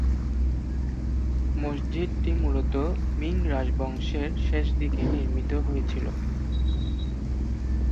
মসজিদটি মূলত মিং রাজবংশের শেষদিকে নির্মিত হয়েছিল।